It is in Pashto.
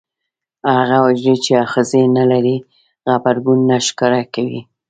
هغه حجرې چې آخذې نه لري غبرګون نه ښکاره کوي.